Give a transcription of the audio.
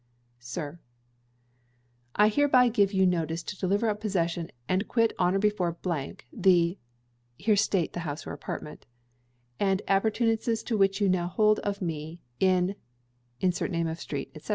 Sir, I hereby give you notice to deliver up possession, and quit on or before , the [here state the house or apartment] and appurtenances which you now hold of me in [_insert the name of street, &c.